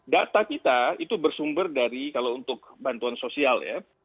data kita itu bersumber dari kalau untuk bantuan sosial ya